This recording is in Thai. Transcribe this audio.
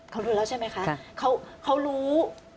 เขารู้แล้วใช่ไหมคะเขารู้